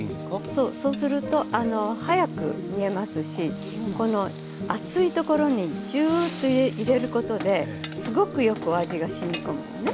そうそうすると早く煮えますしこの熱いところにジューッと入れることですごくよくお味がしみ込むのね。